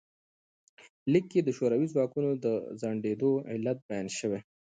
لیک کې د شوروي ځواکونو د ځنډیدو علت بیان شوی.